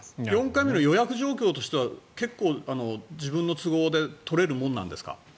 ４回目の予約状況としては結構、自分の都合で取れるものなんですか？